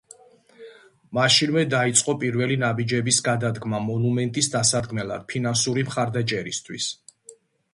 მაშინვე დაიწყო პირველი ნაბიჯების გადადგმა მონუმენტის დასადგმელად ფინანსური მხარდაჭერისთვის.